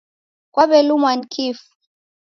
Kwaw'elumwa ni kifu?